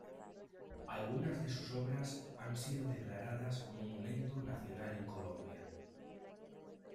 Algunas de sus obras han sido declaradas Monumento Nacional en Colombia.